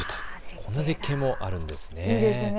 こんな絶景もあるんですね。